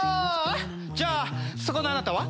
じゃあそこのあなたは？